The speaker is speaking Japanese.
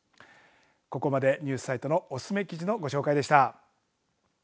ここまでニュースサイトのおすすめ記事のご紹介でした。